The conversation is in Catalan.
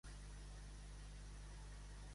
Quins mots es van relacionar amb l'afer Fillon?